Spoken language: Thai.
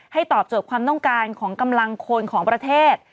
ตอบโจทย์ความต้องการของกำลังคนของประเทศ